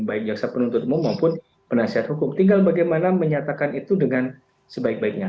baik jaksa penuntut umum maupun penasihat hukum tinggal bagaimana menyatakan itu dengan sebaik baiknya